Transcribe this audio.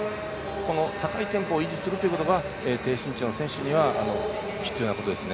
この高いテンポを維持することが低身長の選手には必要なことですね。